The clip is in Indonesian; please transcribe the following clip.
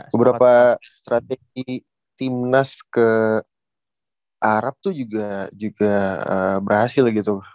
beberapa strategi timnas ke arab tuh juga berhasil gitu